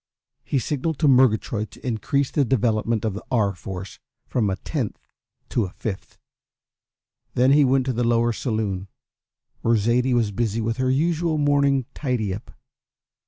He signalled to Murgatroyd to increase the development of the R. Force from a tenth to a fifth. Then he went to the lower saloon, where Zaidie was busy with her usual morning tidy up.